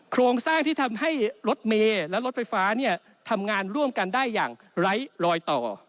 โครงสร้างที่ทำให้รถเมย์และรถไฟฟ้าเนี่ยทำงานร่วมกันได้อย่างไร้ลอยต่อ